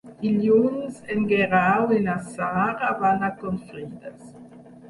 Dilluns en Guerau i na Sara van a Confrides.